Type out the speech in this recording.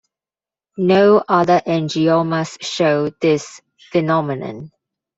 No other angiomas show this phenomenon.